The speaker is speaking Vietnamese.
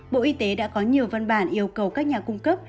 bộ y tế đã có nhiều văn bản yêu cầu các nhà cung cấp